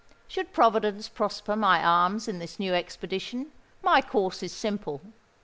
Should Providence prosper my arms in this new expedition, my course is simple.